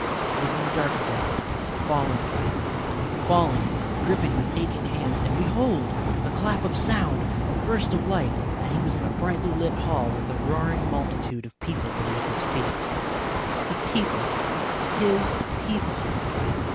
He was in the dark again, falling, falling, gripping with aching hands, and behold! a clap of sound, a burst of light, and he was in a brightly lit hall with a roaring multitude of people beneath his feet. The people! His people!